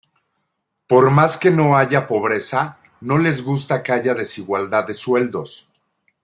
Por más que no haya pobreza, no les gusta que haya desigualdad de sueldos.